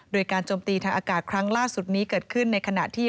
โดยการจมตีทางอากาศครั้งล่าสุดนี้เกิดขึ้นในขณะที่